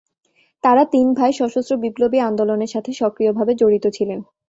তারা তিন ভাই সশস্ত্র বিপ্লবী আন্দোলনের সাথে সক্রিয় ভাবে জড়িত ছিলেন।